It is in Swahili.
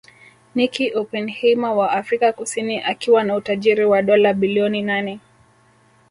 Nicky Oppenheimer wa Afrika Kusini akiwa na utajiri wa dola bilioni nane